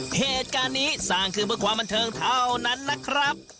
เหตุการณ์นี้สร้างขึ้นเพื่อความบันเทิงเท่านั้นนะครับ